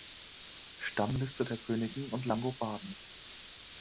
Stammliste der Könige der Langobarden